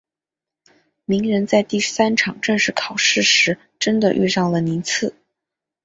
鸣人在第三场正式考试时真的遇上了宁次。